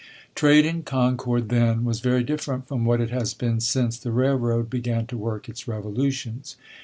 Trade in Concord then was very different from what it has been since the railroad began to work its revolutions.